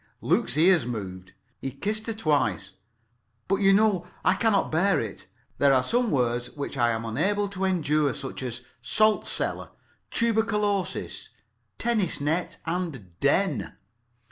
[Pg 6]Luke's ears moved. He kissed her twice. "But, you know, I cannot bear it. There are some words which I am unable to endure, such as salt cellar, tuberculosis, tennis net and den."